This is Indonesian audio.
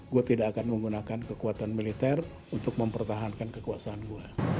gue tidak akan menggunakan kekuatan militer untuk mempertahankan kekuasaan gue